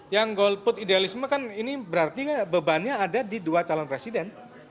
yang golput idealisme kan ini berarti bebannya ada di dua calon presiden